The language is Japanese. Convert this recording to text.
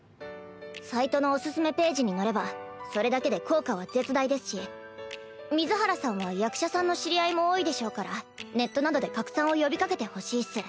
サイトのおすすめページに載ればそれだけで効果は絶大ですし水原さんは役者さんの知り合いも多いでしょうからネットなどで拡散を呼びかけてほしいっス。